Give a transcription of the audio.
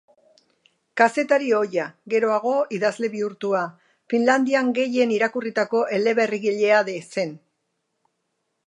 Kazetari ohia, geroago idazle bihurtua, Finlandian gehien irakurritako eleberrigilea zen.